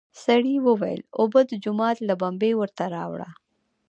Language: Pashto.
سړي وويل: اوبه د جومات له بمبې ورته راوړه!